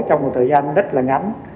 trong một thời gian rất là ngắn